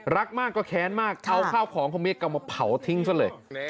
รักมากก็แค้นมากเอาข้าวของของเมียกลับมาเผาทิ้งซะเลย